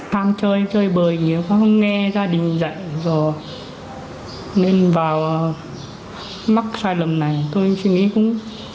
tham chơi chơi bời nếu không nghe gia đình dạy rồi nên vào mắc sai lầm này tôi suy nghĩ cũng